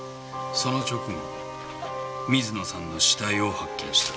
その直後水野さんの死体を発見した。